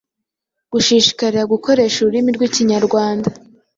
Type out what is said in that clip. Gushishikarira gukoresha ururimi rw’Ikinyarwanda